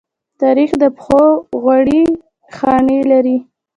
تاریخ د پښو غوړې خاڼې لري.